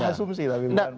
yang tadi itu asumsi